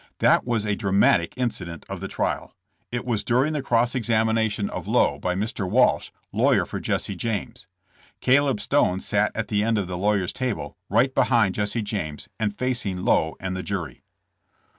That was a dramatic incident of the trial. It was during the cross examination of Lowe by Mr. Walsh, lawyer for Jesse James. Caleb Stone sat at the end of the lawyer's table, right behind Jesse James, and facing Lowe and the jury.